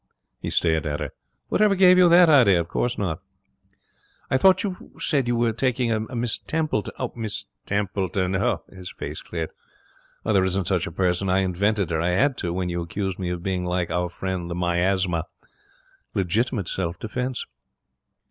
He stared at her. 'Whatever gave you that idea? Of course not.' 'I thought you said you were taking Miss Templeton ' 'Miss Temp Oh!' His face cleared. 'Oh, there isn't such a person. I invented her. I had to when you accused me of being like our friend the Miasma. Legitimate self defence.'